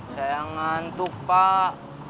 saya ngantuk pak